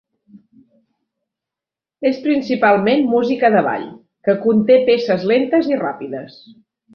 Es principalment música de ball, que conté peces lentes i ràpides.